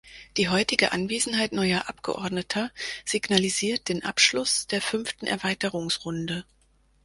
Die heutige Anwesenheit neuer Abgeordneter signalisiert den Abschluss der fünften Erweiterungsrunde.